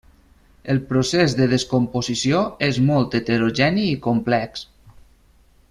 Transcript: El procés de descomposició és molt heterogeni i complex.